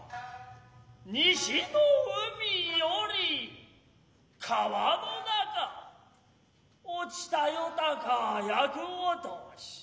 西の海より川の中落ちた夜鷹は厄落し。